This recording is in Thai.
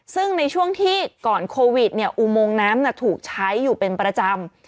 ซึ่งในช่วงที่ก่อนโควิดอุโมงน้ำถูกใช้อยู่เป็นประจำ